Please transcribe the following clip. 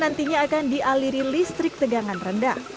dan nantinya akan dialiri listrik tegangan rendah